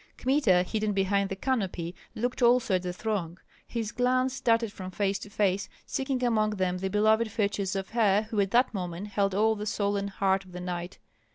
Kmita, hidden behind the canopy, looked also at the throng. His glance darted from face to face, seeking among them the beloved features of her who at that moment held all the soul and heart of the knight.